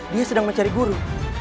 dia sedang mencari guru